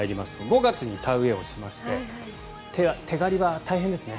５月に田植えをしまして手刈りは大変ですね。